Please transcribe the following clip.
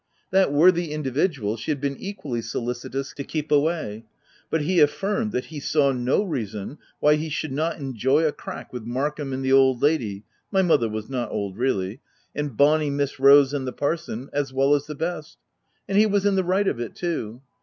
That worthy individual she had been equally solicitous to keep away ; but he affirmed that he saw no reason why he should not enjoy a crack with Markham and the old lady, (my mother was not old really,) and bonny Miss Rose and the parson, as well as the best ;— and he was in the right of it too.